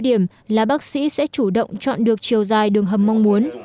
điểm là bác sĩ sẽ chủ động chọn được chiều dài đường hầm mong muốn